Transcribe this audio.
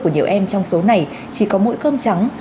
của nhiều em trong số này chỉ có mũi cơm trắng